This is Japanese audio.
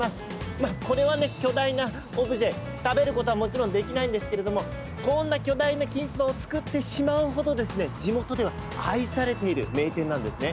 まあ、これはね、巨大なオブジェ食べることはもちろんできないんですけれどもこんな巨大なきんつばを作ってしまう程ですね、地元では愛されている名店なんですね。